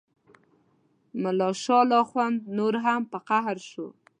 ملا شال اخند نور هم په قهر شو.